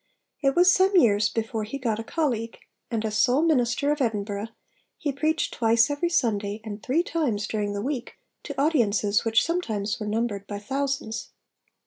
It was some years before he got a colleague; and, as sole minister of Edinburgh, he preached twice every Sunday and three times during the week to audiences which sometimes were numbered by thousands.